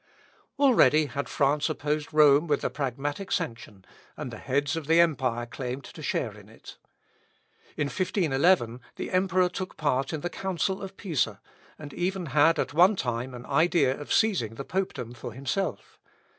Already had France opposed Rome with the pragmatic sanction, and the heads of the empire claimed to share in it. In 1511 the emperor took part in the Council of Pisa, and had even at one time an idea of seizing the popedom for himself.